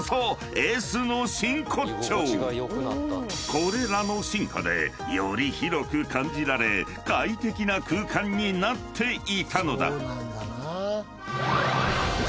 ［これらの進化でより広く感じられ快適な空間になっていたのだ］